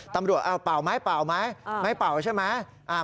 ตำรวจป่าวไหมป่าวไหมไม่ป่าวใช่ไหม